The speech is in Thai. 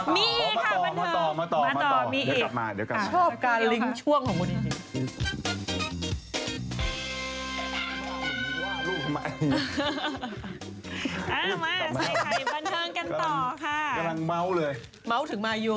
ไม่มีอะไรให้ก็ว่าลูกเป็นทุกแภท